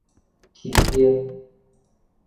禽胸